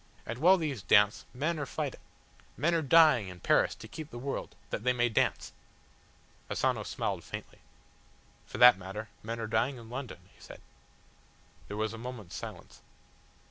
And while these dance, men are fighting men are dying in Paris to keep the world that they may dance." Asano smiled faintly. "For that matter, men are dying in London," he said. There was a moment's silence.